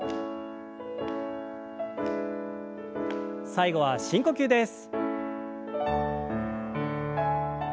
最後は深呼吸です。